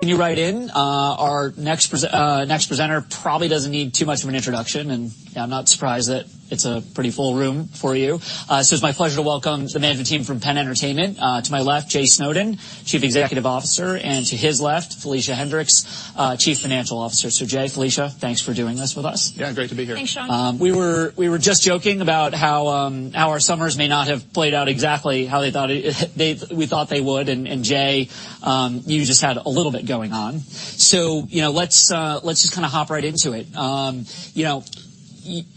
Can you write in? Our next presenter probably doesn't need too much of an introduction, and I'm not surprised that it's a pretty full room for you. So it's my pleasure to welcome the management team from PENN Entertainment. To my left, Jay Snowden, Chief Executive Officer, and to his left, Felicia Hendrix, Chief Financial Officer. So Jay, Felicia, thanks for doing this with us. Yeah, great to be here. Thanks, Shaun. We were just joking about how our summers may not have played out exactly how they thought it, they, we thought they would. Jay, you just had a little bit going on. So, you know, let's just kinda hop right into it. You know,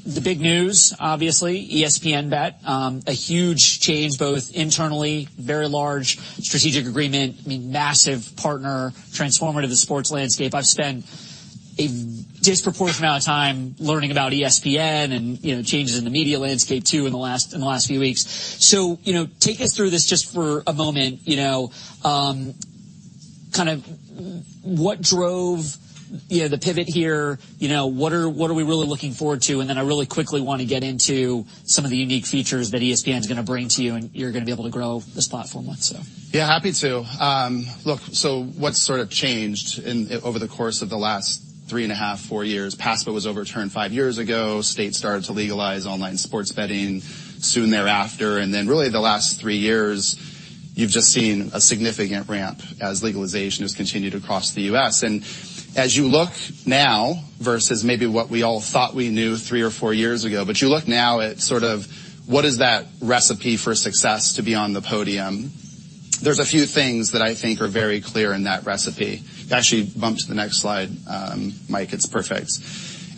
the big news, obviously, ESPN BET, a huge change, both internally, very large strategic agreement, I mean, massive partner, transformative to the sports landscape. I've spent a disproportionate amount of time learning about ESPN and, you know, changes in the media landscape, too, in the last few weeks. So, you know, take us through this just for a moment, you know, kind of what drove the pivot here? You know, what are we really looking forward to? And then I really quickly want to get into some of the unique features that ESPN is gonna bring to you, and you're gonna be able to grow this platform with, so. Yeah, happy to. Look, so what's sort of changed in, over the course of the last 3.5-four years? PASPA was overturned five years ago. States started to legalize online sports betting soon thereafter, and then really the last three years, you've just seen a significant ramp as legalization has continued across the U.S. And as you look now versus maybe what we all thought we knew three or four years ago, but you look now at sort of, what is that recipe for success to be on the podium? There's a few things that I think are very clear in that recipe. You can actually bump to the next slide, Mike, it's perfect.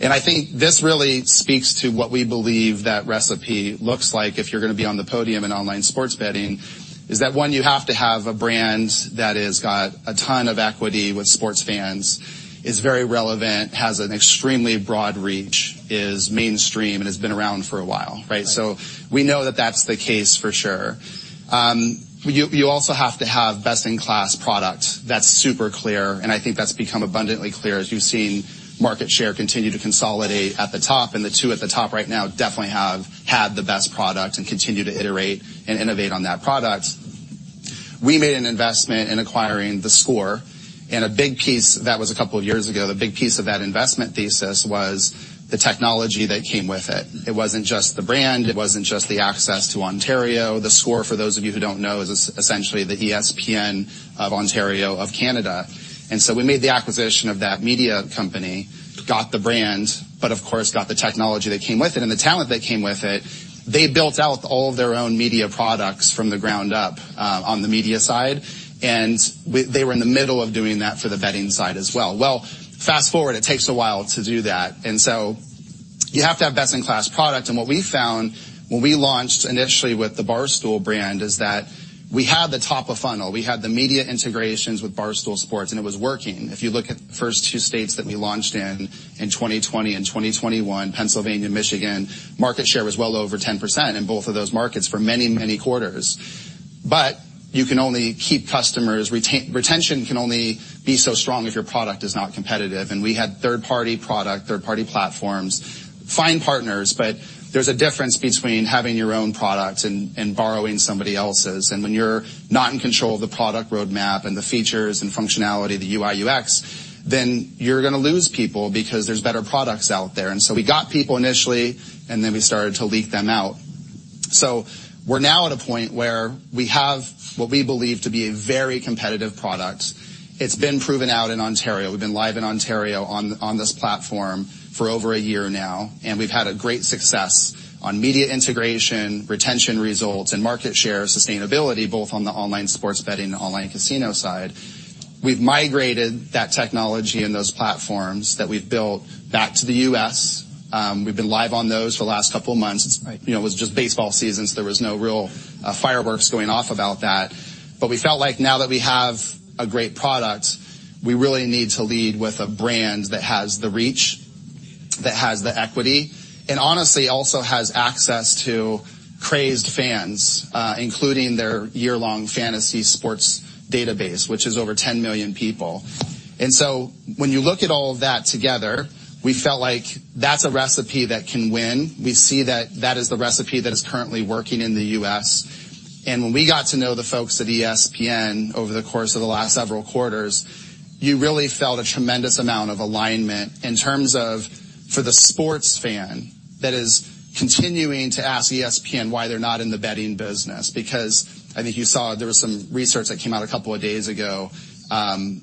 I think this really speaks to what we believe that recipe looks like if you're gonna be on the podium in online sports betting, is that, one, you have to have a brand that has got a ton of equity with sports fans, is very relevant, has an extremely broad reach, is mainstream, and has been around for a while, right? Right. So we know that that's the case for sure. You also have to have best-in-class product. That's super clear, and I think that's become abundantly clear as you've seen market share continue to consolidate at the top, and the two at the top right now definitely have had the best product and continue to iterate and innovate on that product. We made an investment in acquiring theScore and a big piece... That was a couple of years ago. The big piece of that investment thesis was the technology that came with it. It wasn't just the brand, it wasn't just the access to Ontario. theScore, for those of you who don't know, is essentially the ESPN of Ontario, of Canada. And so we made the acquisition of that media company, got the brand, but of course, got the technology that came with it and the talent that came with it. They built out all of their own media products from the ground up on the media side, and they were in the middle of doing that for the betting side as well. Well, fast forward, it takes a while to do that, and so you have to have best-in-class product. And what we found when we launched initially with the Barstool brand, is that we had the top of funnel. We had the media integrations with Barstool Sports, and it was working. If you look at the first two states that we launched in, in 2020 and 2021, Pennsylvania and Michigan, market share was well over 10% in both of those markets for many, many quarters. But you can only keep customers, retention can only be so strong if your product is not competitive. And we had third-party product, third-party platforms, fine partners, but there's a difference between having your own product and, and borrowing somebody else's. And when you're not in control of the product roadmap and the features and functionality, the UI, UX, then you're gonna lose people because there's better products out there. And so we got people initially, and then we started to leak them out. So we're now at a point where we have what we believe to be a very competitive product. It's been proven out in Ontario. We've been live in Ontario on this platform for over a year now, and we've had a great success on media integration, retention results, and market share sustainability, both on the online sports betting and online casino side. We've migrated that technology and those platforms that we've built back to the U.S. We've been live on those for the last couple of months. Right. You know, it was just baseball season, so there was no real, fireworks going off about that. But we felt like now that we have a great product, we really need to lead with a brand that has the reach, that has the equity, and honestly, also has access to crazed fans, including their year-long fantasy sports database, which is over 10 million people. And so when you look at all of that together, we felt like that's a recipe that can win. We see that that is the recipe that is currently working in the U.S. And when we got to know the folks at ESPN over the course of the last several quarters, you really felt a tremendous amount of alignment in terms of, for the sports fan, that is continuing to ask ESPN why they're not in the betting business. Because I think you saw there was some research that came out a couple of days ago,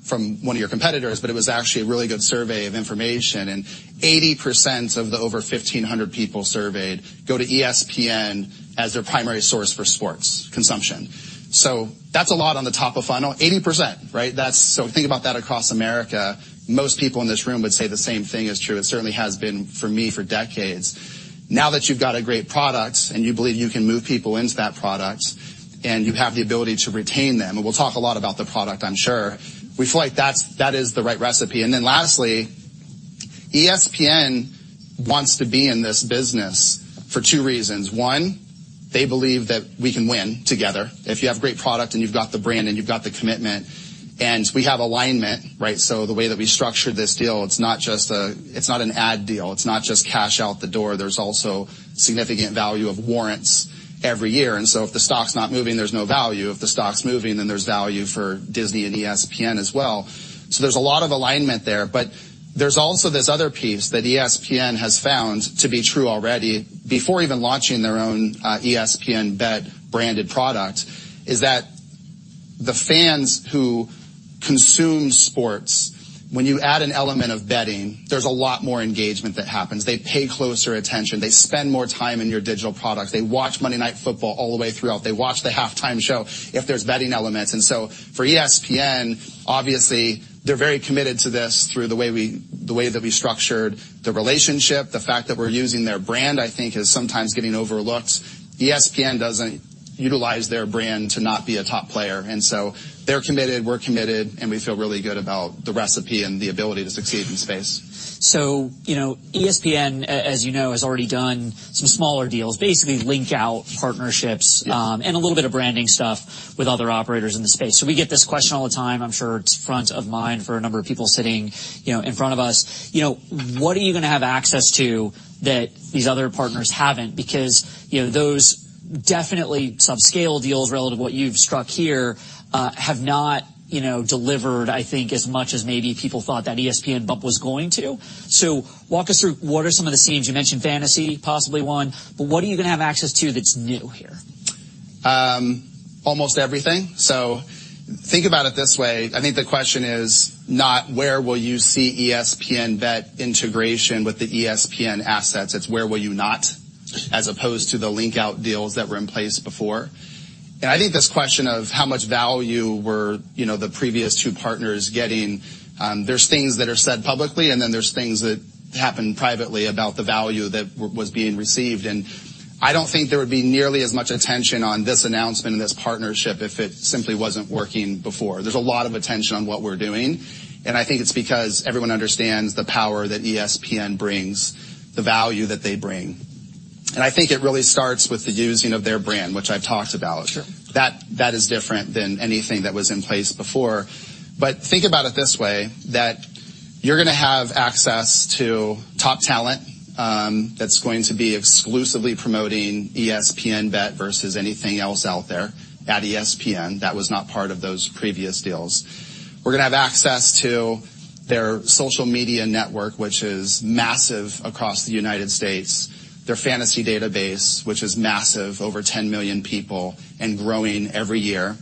from one of your competitors, but it was actually a really good survey of information, and 80% of the over 1,500 people surveyed go to ESPN as their primary source for sports consumption. So that's a lot on the top of funnel. 80%, right? That's. So think about that across America, most people in this room would say the same thing is true. It certainly has been for me for decades. Now that you've got a great product, and you believe you can move people into that product, and you have the ability to retain them, and we'll talk a lot about the product, I'm sure. We feel like that's, that is the right recipe. And then lastly, ESPN wants to be in this business for two reasons: one...... They believe that we can win together. If you have great product, and you've got the brand, and you've got the commitment, and we have alignment, right? So the way that we structured this deal, it's not just a-- it's not an ad deal. It's not just cash out the door. There's also significant value of warrants every year, and so if the stock's not moving, there's no value. If the stock's moving, then there's value for Disney and ESPN as well. So there's a lot of alignment there, but there's also this other piece that ESPN has found to be true already, before even launching their own, ESPN BET branded product, is that the fans who consume sports, when you add an element of betting, there's a lot more engagement that happens. They pay closer attention. They spend more time in your digital products. They watch Monday Night Football all the way throughout. They watch the halftime show if there's betting elements. And so for ESPN, obviously, they're very committed to this through the way we, the way that we structured the relationship. The fact that we're using their brand, I think, is sometimes getting overlooked. ESPN doesn't utilize their brand to not be a top player, and so they're committed, we're committed, and we feel really good about the recipe and the ability to succeed in the space. So, you know, ESPN, as you know, has already done some smaller deals, basically link-out partnerships. Yes. And a little bit of branding stuff with other operators in the space. So we get this question all the time. I'm sure it's front of mind for a number of people sitting, you know, in front of us. You know, what are you going to have access to that these other partners haven't? Because, you know, those definitely subscale deals relative to what you've struck here, have not, you know, delivered, I think, as much as maybe people thought that ESPN bump was going to. So walk us through what are some of the things? You mentioned fantasy, possibly one, but what are you going to have access to that's new here? Almost everything. So think about it this way. I think the question is not where will you see ESPN BET integration with the ESPN assets? It's where will you not, as opposed to the link-out deals that were in place before. And I think this question of how much value were, you know, the previous two partners getting, there's things that are said publicly, and then there's things that happened privately about the value that was being received, and I don't think there would be nearly as much attention on this announcement and this partnership if it simply wasn't working before. There's a lot of attention on what we're doing, and I think it's because everyone understands the power that ESPN brings, the value that they bring. And I think it really starts with the using of their brand, which I've talked about. Sure. That, that is different than anything that was in place before. But think about it this way, that you're gonna have access to top talent, that's going to be exclusively promoting ESPN BET versus anything else out there at ESPN. That was not part of those previous deals. We're gonna have access to their social media network, which is massive across the United States, their fantasy database, which is massive, over 10 million people and growing every year.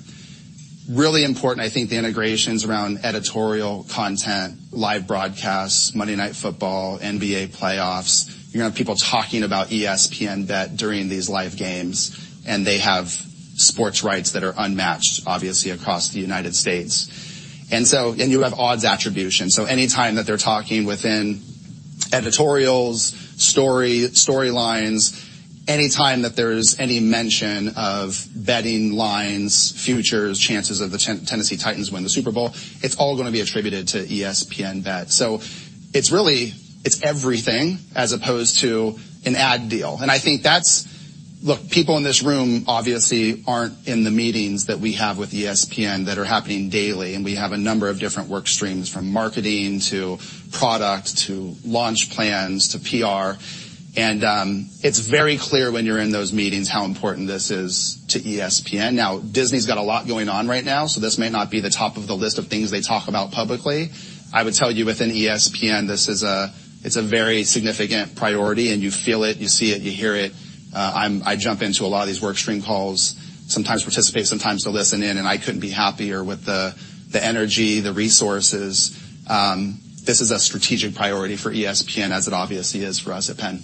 Really important, I think, the integrations around editorial content, live broadcasts, Monday Night Football, NBA playoffs. You're going to have people talking about ESPN BET during these live games, and they have sports rights that are unmatched, obviously, across the United States. And so... You have odds attribution, so any time that they're talking within editorials, story, storylines, any time that there's any mention of betting lines, futures, chances of the Tennessee Titans win the Super Bowl, it's all going to be attributed to ESPN BET. So it's really, it's everything, as opposed to an ad deal. And I think that's... Look, people in this room obviously aren't in the meetings that we have with ESPN that are happening daily, and we have a number of different work streams, from marketing to product, to launch plans, to PR, and it's very clear when you're in those meetings how important this is to ESPN. Now, Disney's got a lot going on right now, so this may not be the top of the list of things they talk about publicly. I would tell you, within ESPN, this is a—it's a very significant priority, and you feel it, you see it, you hear it. I jump into a lot of these work stream calls, sometimes participate, sometimes to listen in, and I couldn't be happier with the, the energy, the resources. This is a strategic priority for ESPN, as it obviously is for us at PENN.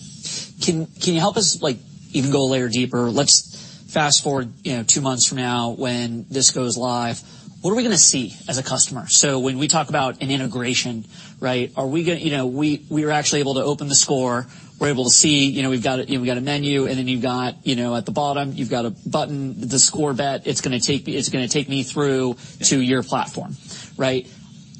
Can you help us, like, even go a layer deeper? Let's fast-forward, you know, two months from now when this goes live. What are we going to see as a customer? So when we talk about an integration, right, are we gonna? You know, we, we're actually able to open theScore. We're able to see, you know, we've got a, we've got a menu, and then you've got, you know, at the bottom, you've got a button, theScore Bet. It's going to take me, it's going to take me through- Yes. to your platform, right?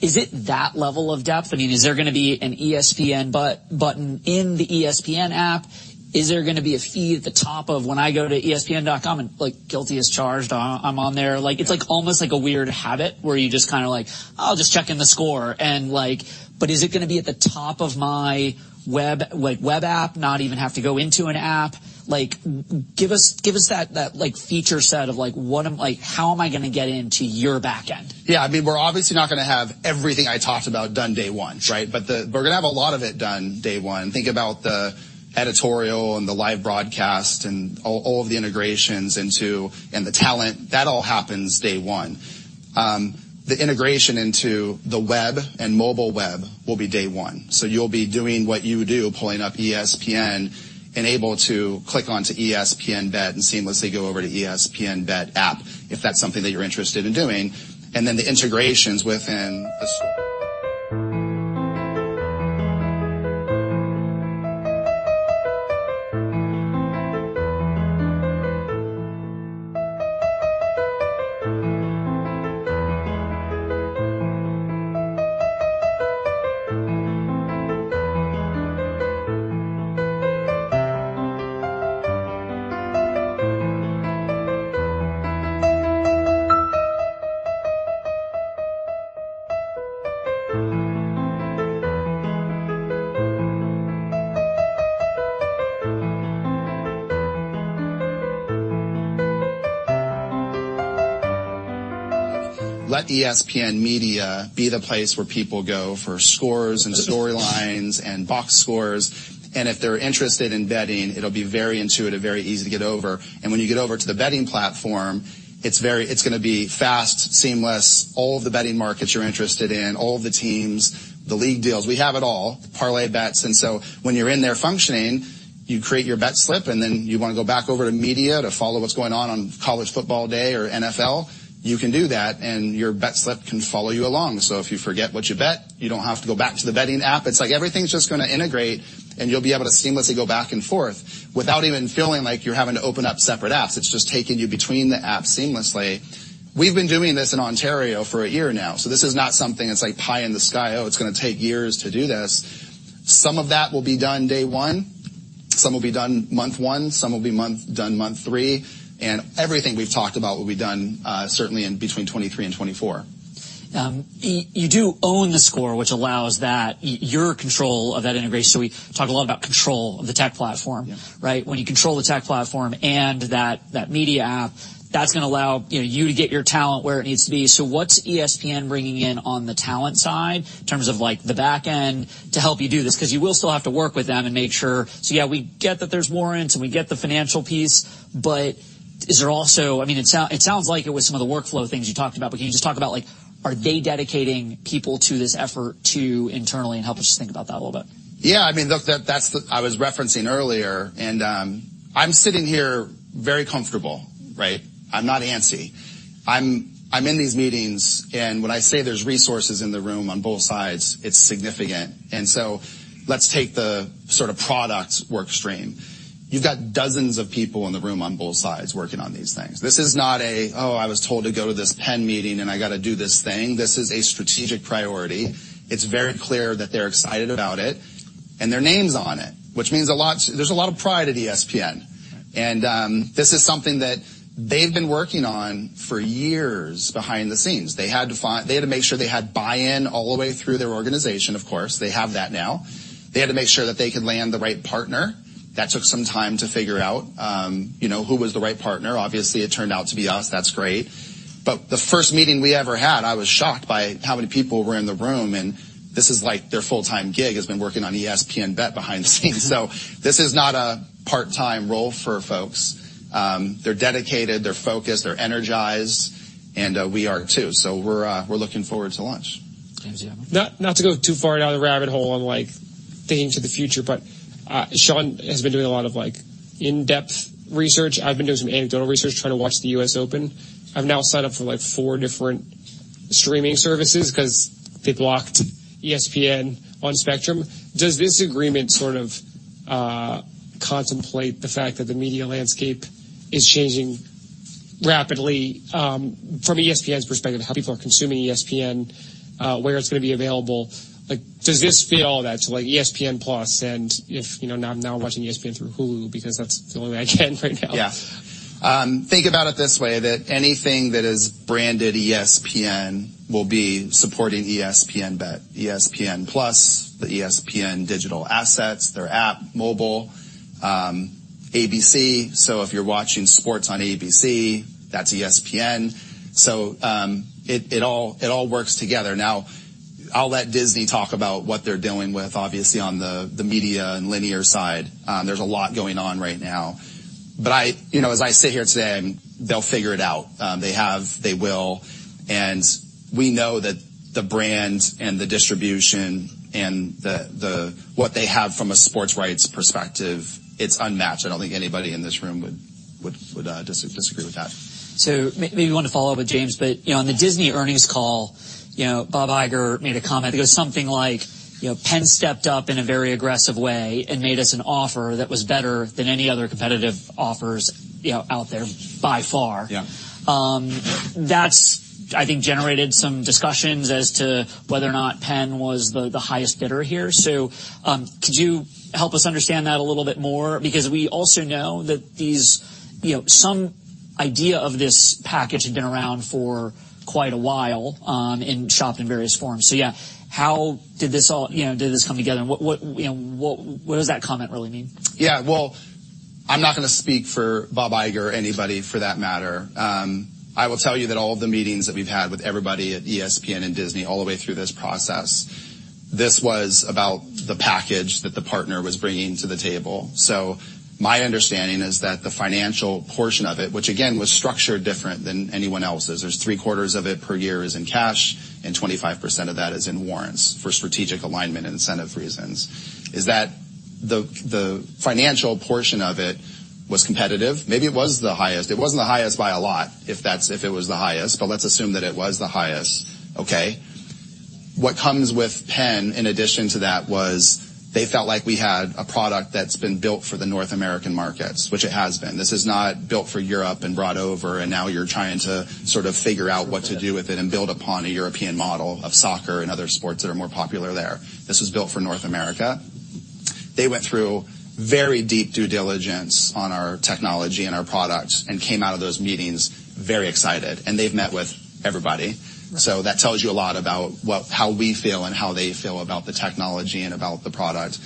Is it that level of depth? I mean, is there going to be an ESPN BET button in the ESPN app? Is there going to be a feed at the top of when I go to ESPN.com and, like, guilty as charged, I'm on there? Like, it's like, almost like a weird habit, where you just kind of like, "I'll just check theScore," and like... But is it going to be at the top of my web, like, web app, not even have to go into an app? Like, give us, give us that, that, like, feature set of, like, what am, like, how am I going to get into your back end? Yeah, I mean, we're obviously not going to have everything I talked about done day one, right? But the, we're going to have a lot of it done day one. Think about the editorial and the live broadcast and all, all of the integrations into... And the talent. That all happens day one. The integration into the web and mobile web will be day one. So you'll be doing what you do, pulling up ESPN, and able to click onto ESPN BET and seamlessly go over to ESPN BET app if that's something that you're interested in doing. And then the integrations within the- ...Let ESPN media be the place where people go for scores and storylines and box scores, and if they're interested in betting, it'll be very intuitive, very easy to get over. When you get over to the betting platform, it's very, it's going to be fast, seamless. All of the betting markets you're interested in, all of the teams, the league deals, we have it all, parlay bets. When you're in there functioning, you create your bet slip, and then you want to go back over to media to follow what's going on on college football day or NFL. You can do that, and your bet slip can follow you along. If you forget what you bet, you don't have to go back to the betting app. It's like everything's just going to integrate, and you'll be able to seamlessly go back and forth without even feeling like you're having to open up separate apps. It's just taking you between the apps seamlessly. We've been doing this in Ontario for a year now, so this is not something that's like pie in the sky. Oh, it's going to take years to do this. Some of that will be done day one, some will be done month one, some will be month, done month three, and everything we've talked about will be done, certainly in between 2023 and 2024. You do own theScore, which allows that, your control of that integration. So we talk a lot about control of the tech platform, right? When you control the tech platform and that media app, that's going to allow you to get your talent where it needs to be. So what's ESPN bringing in on the talent side in terms of, like, the back end to help you do this? Because you will still have to work with them and make sure... So, yeah, we get that there's warrants and we get the financial piece. But is there also... I mean, it sounds like it was some of the workflow things you talked about, but can you just talk about, like, are they dedicating people to this effort internally and help us just think about that a little bit? Yeah, I mean, look, that, that's the... I was referencing earlier, and, I'm sitting here very comfortable, right? I'm in these meetings, and when I say there's resources in the room on both sides, it's significant. And so let's take the sort of product work stream. You've got dozens of people in the room on both sides working on these things. This is not a, Oh, I was told to go to this PENN meeting, and I got to do this thing. This is a strategic priority. It's very clear that they're excited about it and their name's on it, which means a lot. There's a lot of pride at ESPN, and, this is something that they've been working on for years behind the scenes. They had to make sure they had buy-in all the way through their organization, of course. They have that now. They had to make sure that they could land the right partner. That took some time to figure out, you know, who was the right partner. Obviously, it turned out to be us. That's great. But the first meeting we ever had, I was shocked by how many people were in the room, and this is like their full-time gig, has been working on ESPN BET behind the scenes. So this is not a part-time role for folks. They're dedicated, they're focused, they're energized, and we are too. So we're, we're looking forward to launch. James, yeah. Not, not to go too far down the rabbit hole on, like, thinking to the future, but, Shaun has been doing a lot of, like, in-depth research. I've been doing some anecdotal research, trying to watch the U.S. Open. I've now signed up for, like, four different streaming services because they blocked ESPN on Spectrum. Does this agreement sort of contemplate the fact that the media landscape is changing rapidly, from ESPN's perspective, how people are consuming ESPN, where it's going to be available? Like, does this fit all that to, like, ESPN+? And if, you know, now I'm watching ESPN through Hulu, because that's the only way I can right now. Yeah. Think about it this way, that anything that is branded ESPN will be supporting ESPN BET, ESPN+, the ESPN digital assets, their app, mobile, ABC. So if you're watching sports on ABC, that's ESPN. So, it all works together. Now, I'll let Disney talk about what they're doing with, obviously, on the media and linear side. There's a lot going on right now, but I... You know, as I sit here today, I'm-- they'll figure it out. They have, they will. And we know that the brand and the distribution and what they have from a sports rights perspective, it's unmatched. I don't think anybody in this room would disagree with that. Maybe you want to follow up with James. But, you know, on the Disney earnings call, you know, Bob Iger made a comment. It was something like: You know, Penn stepped up in a very aggressive way and made us an offer that was better than any other competitive offers, you know, out there by far. Yeah. That's, I think, generated some discussions as to whether or not Penn was the highest bidder here. So, could you help us understand that a little bit more? Because we also know that these, you know, some idea of this package had been around for quite a while, and shopped in various forms. So, yeah, how did this all, you know, did this come together? What, you know, what does that comment really mean? Yeah, well, I'm not going to speak for Bob Iger or anybody for that matter. I will tell you that all of the meetings that we've had with everybody at ESPN and Disney, all the way through this process, this was about the package that the partner was bringing to the table. So my understanding is that the financial portion of it, which again, was structured different than anyone else's, there's three-quarters of it per year is in cash, and 25% of that is in warrants for strategic alignment and incentive reasons, is that the financial portion of it was competitive. Maybe it was the highest. It wasn't the highest by a lot, if it was the highest, but let's assume that it was the highest, okay? What comes with PENN, in addition to that, was they felt like we had a product that's been built for the North American markets, which it has been. This is not built for Europe and brought over, and now you're trying to sort of figure out what to do with it and build upon a European model of soccer and other sports that are more popular there. This was built for North America.... They went through very deep due diligence on our technology and our products and came out of those meetings very excited, and they've met with everybody. So that tells you a lot about what, how we feel and how they feel about the technology and about the product.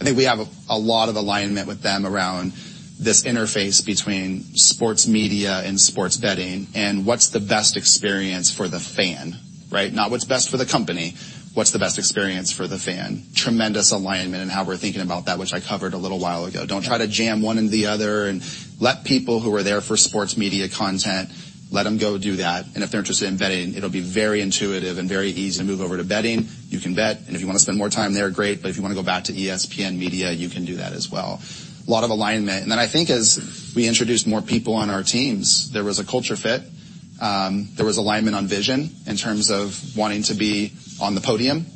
I think we have a, a lot of alignment with them around this interface between sports media and sports betting, and what's the best experience for the fan, right? Not what's best for the company, what's the best experience for the fan. Tremendous alignment in how we're thinking about that, which I covered a little while ago. Don't try to jam one into the other and let people who are there for sports media content, let them go do that. And if they're interested in betting, it'll be very intuitive and very easy to move over to betting. You can bet, and if you want to spend more time there, great, but if you want to go back to ESPN media, you can do that as well. A lot of alignment. And then I think as we introduced more people on our teams, there was a culture fit. There was alignment on vision in terms of wanting to be on the podium.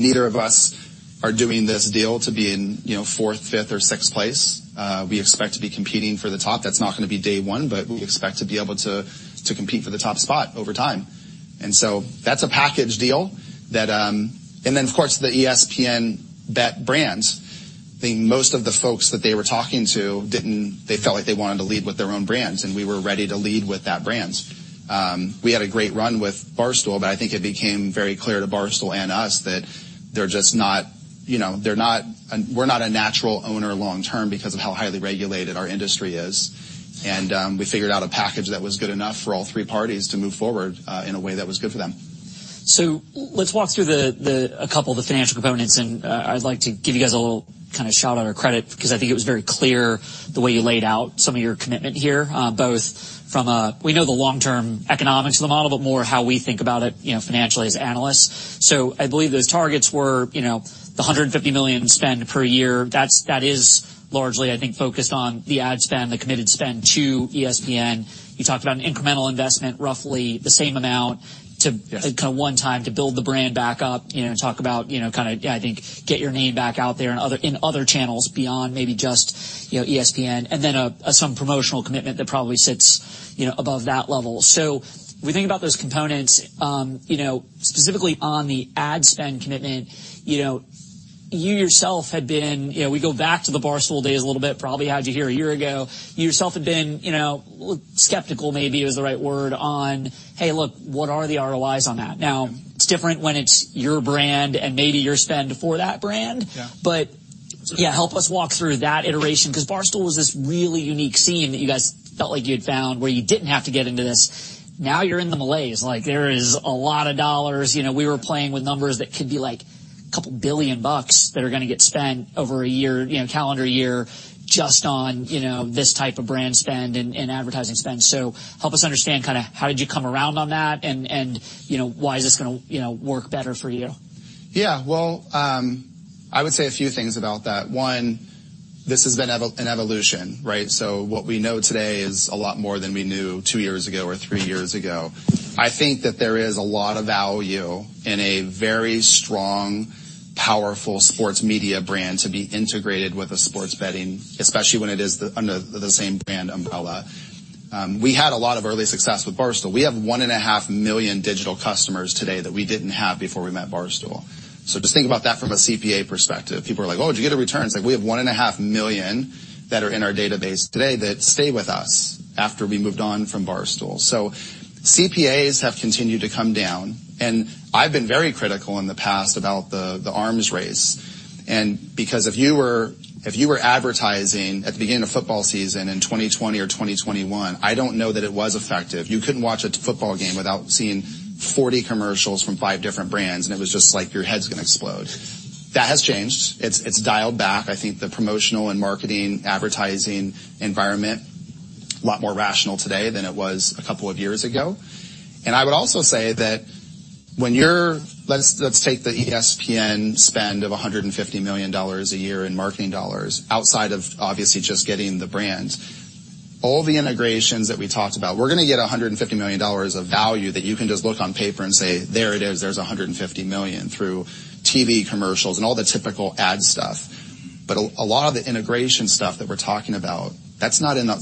Neither of us are doing this deal to be in, you know, fourth, fifth or sixth place. We expect to be competing for the top. That's not going to be day one, but we expect to be able to, to compete for the top spot over time. And so that's a package deal that. And then, of course, the ESPN BET brands. I think most of the folks that they were talking to didn't. They felt like they wanted to lead with their own brands, and we were ready to lead with that brands. We had a great run with Barstool, but I think it became very clear to Barstool and us that they're just not, you know, they're not. We're not a natural owner long term because of how highly regulated our industry is. We figured out a package that was good enough for all three parties to move forward, in a way that was good for them. So let's walk through a couple of the financial components, and I'd like to give you guys a little kind of shout out or credit, because I think it was very clear the way you laid out some of your commitment here, both from a... We know the long-term economics of the model, but more how we think about it, you know, financially as analysts. So I believe those targets were, you know, the $150 million spend per year. That's, that is largely, I think, focused on the ad spend, the committed spend to ESPN. You talked about an incremental investment, roughly the same amount to- Yes. kind of one time to build the brand back up, you know, talk about, you know, kind of, I think, get your name back out there in other, in other channels beyond maybe just, you know, ESPN, and then a, some promotional commitment that probably sits, you know, above that level. So we think about those components, you know, specifically on the ad spend commitment, you know, you yourself had been... You know, we go back to the Barstool days a little bit. Probably had you here a year ago. You yourself had been, you know, skeptical, maybe is the right word on, "Hey, look, what are the ROIs on that?" Now, it's different when it's your brand and maybe your spend for that brand. Yeah. But, yeah, help us walk through that iteration, because Barstool was this really unique scene that you guys felt like you had found where you didn't have to get into this. Now you're in the malaise, like there is a lot of dollars. You know, we were playing with numbers that could be like $2 billion that are gonna get spent over a year, you know, calendar year, just on, you know, this type of brand spend and, and advertising spend. So help us understand kind of how did you come around on that? And, and you know, why is this gonna, you know, work better for you? Yeah, well, I would say a few things about that. One, this has been an evolution, right? So what we know today is a lot more than we knew two years ago or three years ago. I think that there is a lot of value in a very strong, powerful sports media brand to be integrated with a sports betting, especially when it is under the same brand umbrella. We had a lot of early success with Barstool. We have 1.5 million digital customers today that we didn't have before we met Barstool. So just think about that from a CPA perspective. People are like: Oh, did you get a return? It's like we have 1.5 million that are in our database today that stayed with us after we moved on from Barstool. So CPAs have continued to come down, and I've been very critical in the past about the arms race. And because if you were advertising at the beginning of football season in 2020 or 2021, I don't know that it was effective. You couldn't watch a football game without seeing 40 commercials from five different brands, and it was just like, your head's gonna explode. That has changed. It's dialed back. I think the promotional and marketing advertising environment a lot more rational today than it was a couple of years ago. And I would also say that when you're... Let's take the ESPN spend of $150 million a year in marketing dollars, outside of, obviously, just getting the brands. All the integrations that we talked about, we're gonna get $150 million of value that you can just look on paper and say, "There it is. There's $150 million," through TV commercials and all the typical ad stuff. But a lot of the integration stuff that we're talking about, that's not in the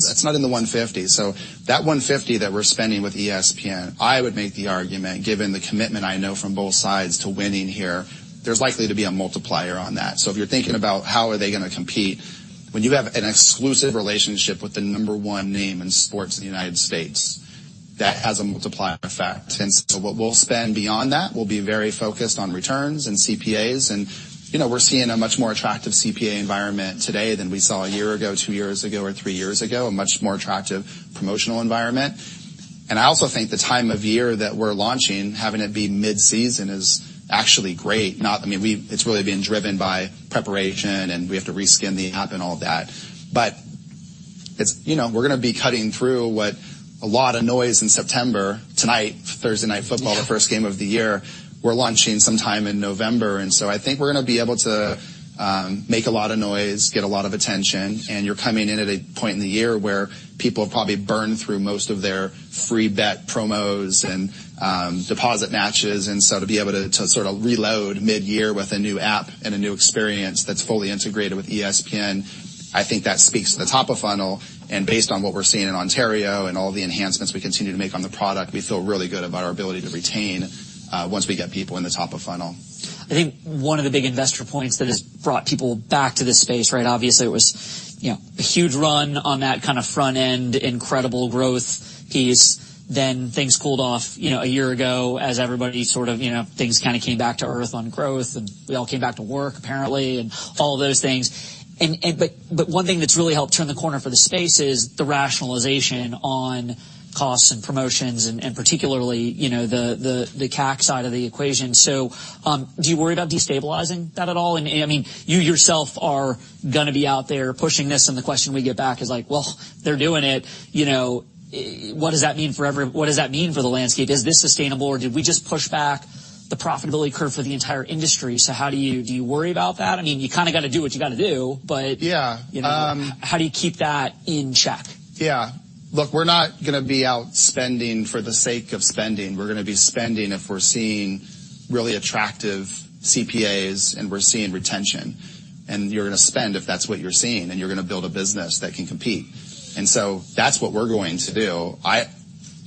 150. So that 150 that we're spending with ESPN, I would make the argument, given the commitment I know from both sides to winning here, there's likely to be a multiplier on that. So if you're thinking about how are they gonna compete, when you have an exclusive relationship with the number one name in sports in the United States, that has a multiplier effect. And so what we'll spend beyond that will be very focused on returns and CPAs. You know, we're seeing a much more attractive CPA environment today than we saw a year ago, two years ago or three years ago, a much more attractive promotional environment. And I also think the time of year that we're launching, having it be mid-season is actually great. Not, I mean, it's really been driven by preparation, and we have to reskin the app and all of that. But it's, you know, we're gonna be cutting through what a lot of noise in September, tonight, Thursday Night Football, the first game of the year. We're launching sometime in November, and so I think we're gonna be able to make a lot of noise, get a lot of attention. And you're coming in at a point in the year where people have probably burned through most of their free bet promos and deposit matches. And so to be able to, to sort of reload mid-year with a new app and a new experience that's fully integrated with ESPN, I think that speaks to the top of funnel. Based on what we're seeing in Ontario and all the enhancements we continue to make on the product, we feel really good about our ability to retain once we get people in the top of funnel. I think one of the big investor points that has brought people back to this space, right? Obviously, it was, you know, a huge run on that kind of front end, incredible growth piece. Then things cooled off, you know, a year ago as everybody sort of, you know, things kind of came back to Earth on growth, and we all came back to work, apparently, and all those things. And, but one thing that's really helped turn the corner for the space is the rationalization on costs and promotions, and particularly, you know, the CAC side of the equation. So, do you worry about destabilizing that at all? I mean, you yourself are going to be out there pushing this, and the question we get back is like: Well, they're doing it, you know, what does that mean for every-- what does that mean for the landscape? Is this sustainable, or did we just push back the profitability curve for the entire industry? So how do you... Do you worry about that? I mean, you kind of got to do what you got to do, but- Yeah. You know, how do you keep that in check? Yeah. Look, we're not going to be out spending for the sake of spending. We're going to be spending if we're seeing really attractive CPAs, and we're seeing retention. And you're going to spend, if that's what you're seeing, and you're going to build a business that can compete. And so that's what we're going to do. I,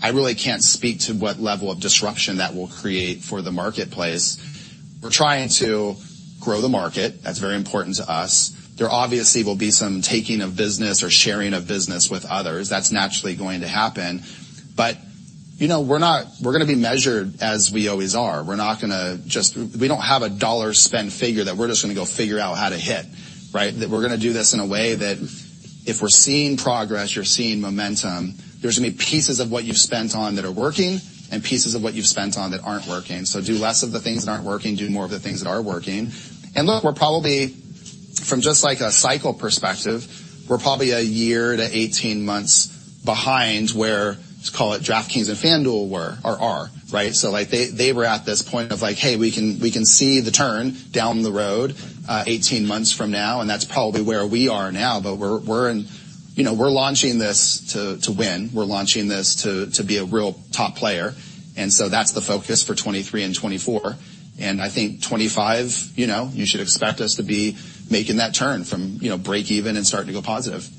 I really can't speak to what level of disruption that will create for the marketplace. We're trying to grow the market. That's very important to us. There obviously will be some taking of business or sharing of business with others. That's naturally going to happen. But, you know, we're not-- We're going to be measured, as we always are. We're not going to just... We don't have a dollar spend figure that we're just going to go figure out how to hit, right? That we're going to do this in a way that if we're seeing progress, you're seeing momentum. There's going to be pieces of what you've spent on that are working and pieces of what you've spent on that aren't working. So do less of the things that aren't working, do more of the things that are working. And, look, we're probably, from just, like, a cycle perspective, we're probably a year to 18 months behind where, let's call it, DraftKings and FanDuel were or are, right? So, like, they, they were at this point of like: Hey, we can, we can see the turn down the road, 18 months from now, and that's probably where we are now. But we're, we're in... You know, we're launching this to, to win. We're launching this to, to be a real top player, and so that's the focus for 2023 and 2024. I think 2025, you know, you should expect us to be making that turn from, you know, break even and starting to go positive.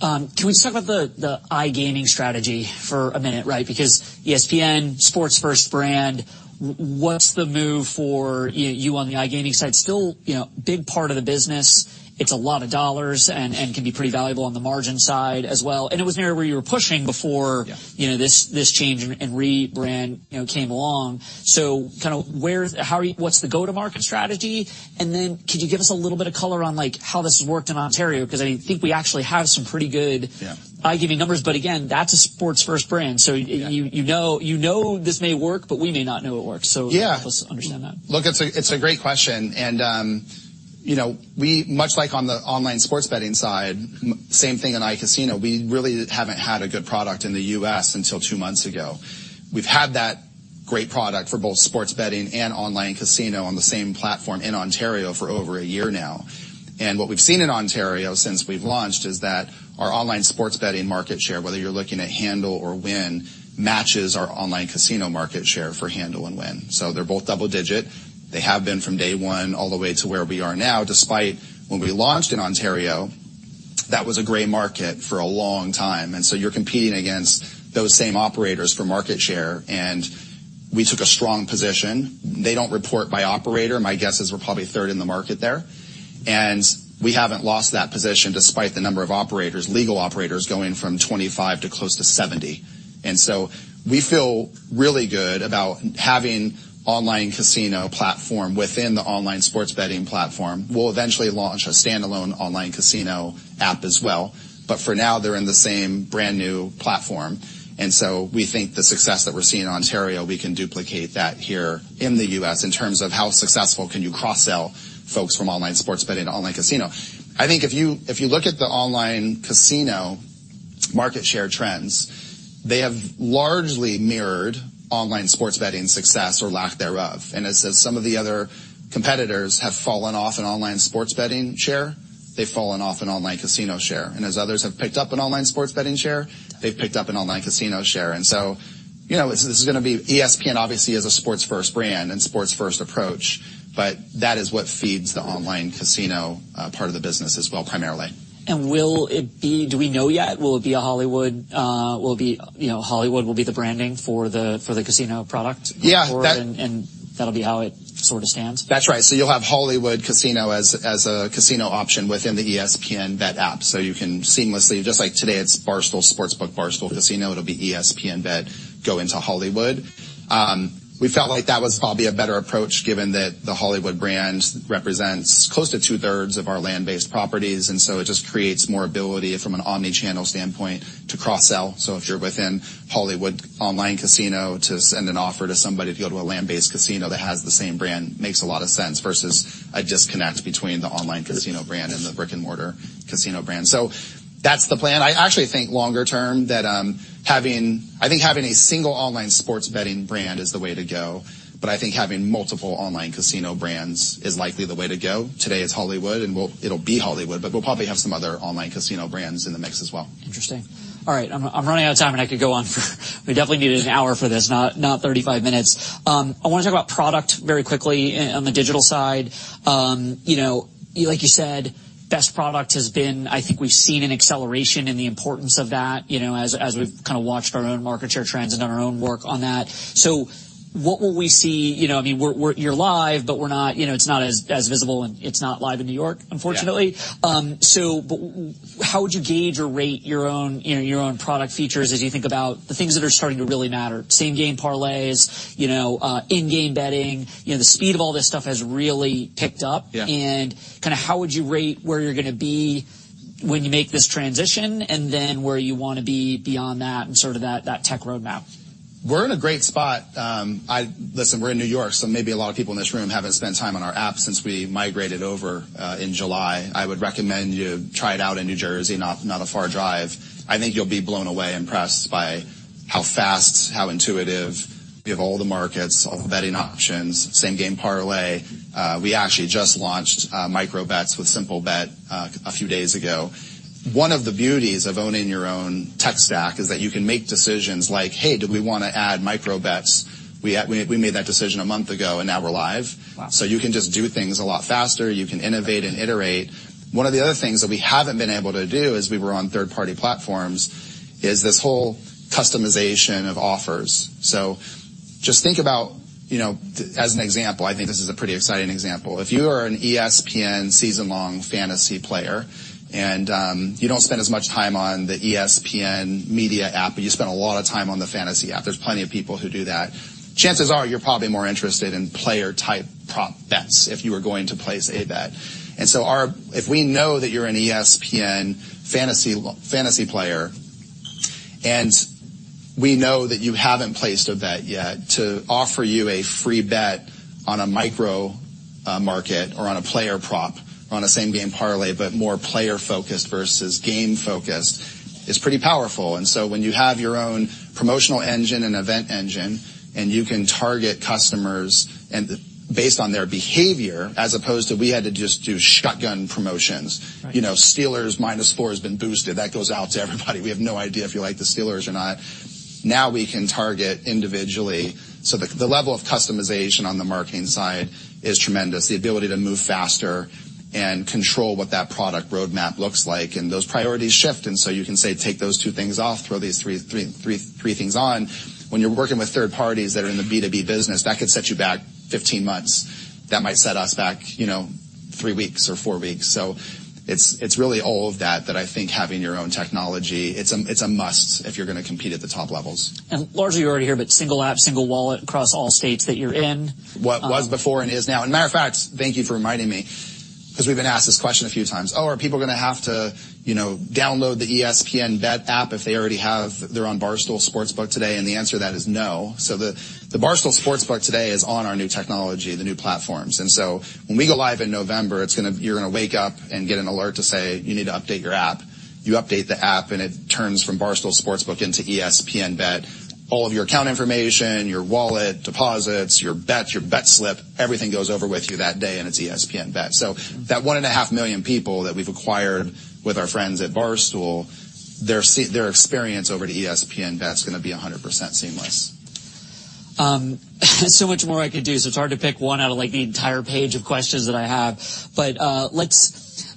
Can we just talk about the iGaming strategy for a minute, right? Because ESPN, sports first brand, what's the move for you on the iGaming side? Still, you know, big part of the business. It's a lot of dollars and can be pretty valuable on the margin side as well. And it was an area where you were pushing before- Yeah. You know, this, this change and rebrand, you know, came along. So kind of where, how are you - what's the go-to-market strategy? And then could you give us a little bit of color on, like, how this has worked in Ontario? Because I think we actually have some pretty good- Yeah. iGaming numbers, but again, that's a sports first brand. Yeah. So, you know, this may work, but we may not know it works. Yeah. Help us understand that. Look, it's a, it's a great question, and, you know, we, much like on the online sports betting side, same thing in iCasino. We really haven't had a good product in the U.S. until two months ago. We've had that great product for both sports betting and online casino on the same platform in Ontario for over a year now. And what we've seen in Ontario since we've launched is that our online sports betting market share, whether you're looking at handle or win, matches our online casino market share for handle and win. So they're both double digit. They have been from day one all the way to where we are now, despite when we launched in Ontario, that was a gray market for a long time, and so you're competing against those same operators for market share, and we took a strong position. They don't report by operator. My guess is we're probably third in the market there, and we haven't lost that position despite the number of operators, legal operators, going from 25 to close to 70. And so we feel really good about having online casino platform within the online sports betting platform. We'll eventually launch a standalone online casino app as well, but for now, they're in the same brand-new platform. And so we think the success that we're seeing in Ontario, we can duplicate that here in the U.S. in terms of how successful can you cross-sell folks from online sports betting to online casino? I think if you, if you look at the online casino market share trends, they have largely mirrored online sports betting success or lack thereof. As some of the other competitors have fallen off in online sports betting share, they've fallen off in online casino share. And as others have picked up in online sports betting share, they've picked up in online casino share. And so, you know, this is going to be... ESPN obviously is a sports first brand and sports first approach, but that is what feeds the online casino, part of the business as well, primarily. Will it be? Do we know yet? Will it be a Hollywood, will it be... You know, Hollywood will be the branding for the casino product? Yeah. That- That'll be how it sort of stands? That's right. So you'll have Hollywood Casino as a casino option within the ESPN BET app. So you can seamlessly, just like today, it's Barstool Sportsbook, Barstool Casino, it'll be ESPN BET, go into Hollywood. We felt like that was probably a better approach, given that the Hollywood brand represents close to two-thirds of our land-based properties, and so it just creates more ability from an omni-channel standpoint to cross-sell. So if you're within Hollywood online casino, to send an offer to somebody to go to a land-based casino that has the same brand, makes a lot of sense, versus a disconnect between the online casino brand and the brick-and-mortar casino brand. So that's the plan. I actually think longer term, that, having... I think having a single online sports betting brand is the way to go, but I think having multiple online casino brands is likely the way to go. Today it's Hollywood, and we'll—it'll be Hollywood, but we'll probably have some other online casino brands in the mix as well. Interesting. All right, I'm running out of time, and I could go on for we definitely needed an hour for this, not 35 minutes. I want to talk about product very quickly on the digital side. You know, like you said, best product has been... I think we've seen an acceleration in the importance of that, you know, as we've kind of watched our own market share trends and done our own work on that. So what will we see? You know, I mean, we're-- you're live, but we're not, you know, it's not as visible, and it's not live in New York, unfortunately. Yeah. So, but how would you gauge or rate your own, you know, your own product features as you think about the things that are starting to really matter? Same Game Parlays, you know, in-game betting, you know, the speed of all this stuff has really picked up. Yeah. Kind of, how would you rate where you're going to be when you make this transition, and then where you want to be beyond that and sort of that tech roadmap? We're in a great spot. Listen, we're in New York, so maybe a lot of people in this room haven't spent time on our app since we migrated over in July. I would recommend you try it out in New Jersey, not a far drive. I think you'll be blown away, impressed by how fast, how intuitive. We have all the markets, all the betting options, Same Game Parlay. We actually just launched micro-bets with Simplebet a few days ago. One of the beauties of owning your own tech stack is that you can make decisions like, "Hey, do we want to add micro-bets?" We made that decision a month ago, and now we're live. So you can just do things a lot faster. You can innovate and iterate. One of the other things that we haven't been able to do, as we were on third-party platforms, is this whole customization of offers. So just think about, you know, as an example, I think this is a pretty exciting example. If you are an ESPN season-long fantasy player, and you don't spend as much time on the ESPN media app, but you spend a lot of time on the fantasy app, there's plenty of people who do that. Chances are you're probably more interested in player-type prop bets if you are going to place a bet. And so our... If we know that you're an ESPN fantasy, fantasy player, and we know that you haven't placed a bet yet, to offer you a free bet on a micro market or on a player prop, on a same-game parlay, but more player-focused versus game-focused, is pretty powerful. So when you have your own promotional engine and event engine, and you can target customers based on their behavior, as opposed to, we had to just do shotgun promotions. Right. You know, Steelers minus four has been boosted. That goes out to everybody. We have no idea if you like the Steelers or not. Now we can target individually. So the level of customization on the marketing side is tremendous. The ability to move faster and control what that product roadmap looks like, and those priorities shift, and so you can say, "Take those two things off, throw these three, three, three things on." When you're working with third parties that are in the B2B business, that could set you back 15 months. That might set us back, you know, three weeks or four weeks. So it's really all of that, that I think having your own technology, it's a must if you're going to compete at the top levels. Largely, you're already here, but single app, single wallet across all states that you're in. Well, it was before and is now. Matter of fact, thank you for reminding me, 'cause we've been asked this question a few times, "Oh, are people going to have to, you know, download the ESPN BET app if they already have, they're on Barstool Sportsbook today?" And the answer to that is no. So the Barstool Sportsbook today is on our new technology, the new platforms. And so when we go live in November, it's gonna, you're gonna wake up and get an alert to say, "You need to update your app." You update the app, and it turns from Barstool Sportsbook into ESPN BET. All of your account information, your wallet, deposits, your bets, your bet slip, everything goes over with you that day, and it's ESPN BET. So, that 1.5 million people that we've acquired with our friends at Barstool, their experience over to ESPN BET is going to be 100% seamless. So much more I could do, so it's hard to pick one out of, like, the entire page of questions that I have. But, let's,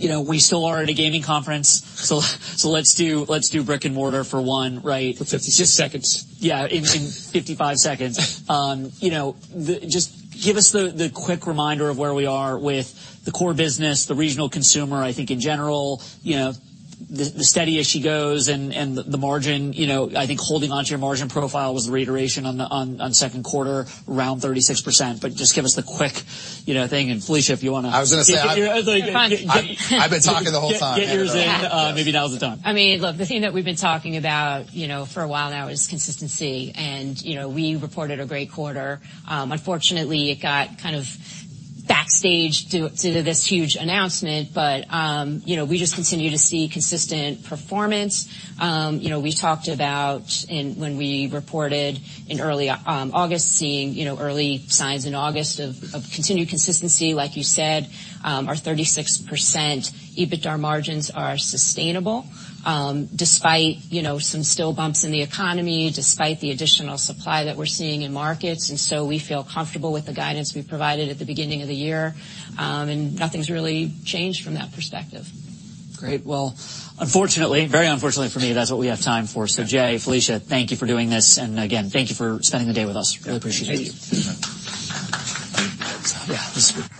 you know, we still are at a gaming conference, so, so let's do, let's do brick and mortar for one, right? For 56 seconds. Yeah, even 55 seconds. You know, the... Just give us the quick reminder of where we are with the core business, the regional consumer. I think in general, you know, the steady as she goes and the margin, you know, I think holding onto your margin profile was the reiteration on the second quarter, around 36%. But just give us the quick, you know, thing, and Felicia, if you want to- I was going to say, I've been talking the whole time. Get yours in. Maybe now is the time. I mean, look, the thing that we've been talking about, you know, for a while now is consistency, and, you know, we reported a great quarter. Unfortunately, it got kind of backstage to this huge announcement, but, you know, we just continue to see consistent performance. You know, we talked about and when we reported in early August, seeing, you know, early signs in August of continued consistency, like you said. Our 36% EBITDA margins are sustainable, despite, you know, some still bumps in the economy, despite the additional supply that we're seeing in markets. And so we feel comfortable with the guidance we provided at the beginning of the year. And nothing's really changed from that perspective. Great. Well, unfortunately, very unfortunately for me, that's what we have time for. Jay, Felicia, thank you for doing this. Again, thank you for spending the day with us. Really appreciate it. Thank you. Yeah. This is...